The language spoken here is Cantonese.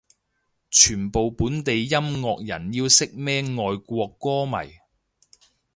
全部本地音樂人要識咩外國歌迷